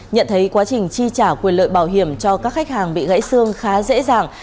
nhận thấy quá trình chi trả quyền lợi bảo hiểm cho các khách hàng bị gãy xương khá dễ dàng